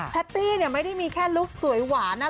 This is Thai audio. แต้เนี่ยไม่ได้มีแค่ลุคสวยหวานนะ